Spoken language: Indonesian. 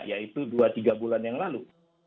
yaitu dua tiga bulan yang lalu